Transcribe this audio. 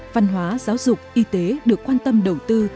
văn hóa giáo dục y tế được quan tâm đầu tư